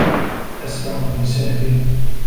أسرع من سهم